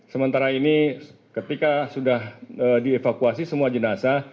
sementara ini ketika sudah dievakuasi semua jenazah